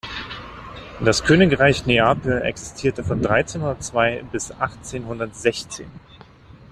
Das Königreich Neapel existierte von dreizehnhundertzwei bis achtzehnhundertsechzehn.